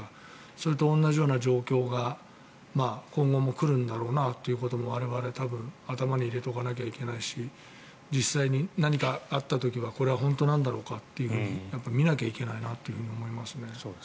それと同じような状況が今後も来るのだろうなということも我々多分頭に入れておかなきゃいけないし実際に何かあった時はこれは本当なんだろうかと見なきゃいけないなと思います。